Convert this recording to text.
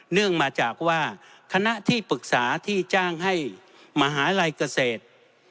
เนื่องมาจากว่าคณะที่ปรึกษาที่จ้างให้มหาลัยเกษตร